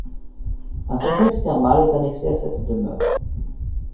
Un complexe thermal est annexé à cette demeure.